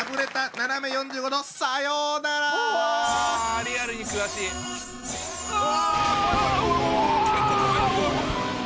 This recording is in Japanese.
リアルに悔しい。わ！